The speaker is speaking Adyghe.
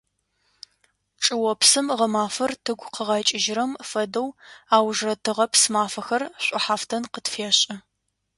Чӏыопсым гъэмафэр тыгу къыгъэкӏыжьрэм фэдэу аужрэ тыгъэпс мафэхэр шӏухьафтын къытфешӏы.